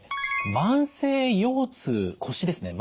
慢性腰痛腰ですね